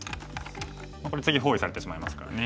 これ次包囲されてしまいますからね。